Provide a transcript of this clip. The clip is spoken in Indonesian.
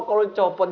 gue susah kan